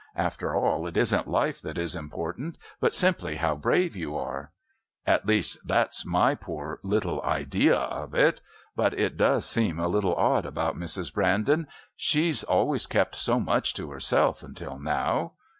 After all, it isn't life that is important but simply how brave you are. "At least that's my poor little idea of it. But it does seem a little odd about Mrs. Brandon. She's always kept so much to herself until now."